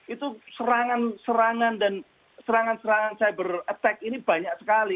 itu serangan serangan dan serangan serangan cyber attack ini banyak sekali